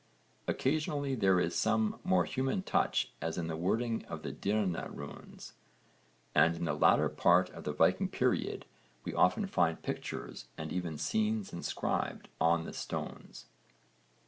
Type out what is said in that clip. Occasionally there is some more human touch as in the wording of the Dyrna runes (v. supra, p. 85), and in the latter part of the Viking period we often find pictures and even scenes inscribed on the stones.